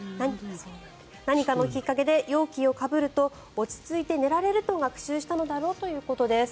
何かのきっかけで容器をかぶると落ち着いて寝られると学習したのだろうということです。